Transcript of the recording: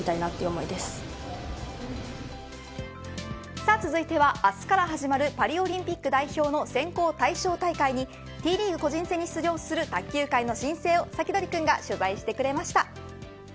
さあ、続いては明日から始まるパリオリンピック代表の選考対象大会にＴリーグ個人戦に出場する卓球界の新星をサキドリくんが取材してくれました。